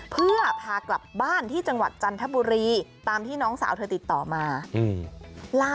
เพื่อพากลับบ้านที่จังหวัดจันทบุรีตามที่น้องสาวเธอติดต่อมา